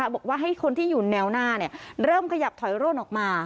บอกว่าให้คนที่อยู่แนวหน้าเริ่มขยับถอยร่นออกมา